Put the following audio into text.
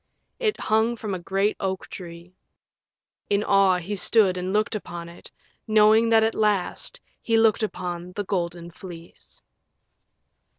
It hung from a great oak tree. In awe he stood and looked upon it, knowing that at last he looked upon THE GOLDEN FLEECE.